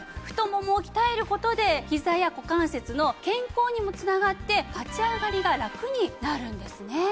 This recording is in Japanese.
太ももを鍛える事でひざや股関節の健康にも繋がって立ち上がりがラクになるんですね。